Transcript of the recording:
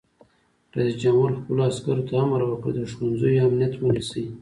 رئیس جمهور خپلو عسکرو ته امر وکړ؛ د ښوونځیو امنیت ونیسئ!